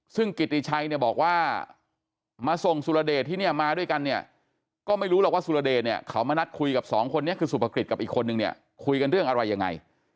ซึ่งกิติชัยเนี่ยบอกว่ามาส่งสุรเดชที่เนี่ยมาด้วยกันเนี่ยก็ไม่รู้หรอกว่าสุรเดชเนี่ยเขามานัดคุยกับสองคนนี้คือสุภกิจกับอีกคนนึงเนี่ยคุยกันเรื่องอะไรยังไง